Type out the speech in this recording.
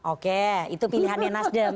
oke itu pilihannya nas dem